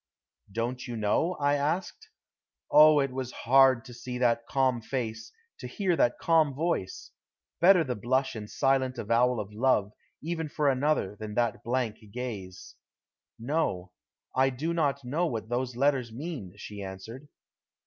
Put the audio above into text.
"Don't you know?" I asked. Oh, it was hard to see that calm face, to hear that calm voice. Better the blush and silent avowal of love, even for another, than that blank gaze. "No. I do not know what those letters mean," she answered.